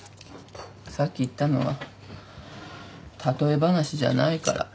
さっき言ったのは例え話じゃないから。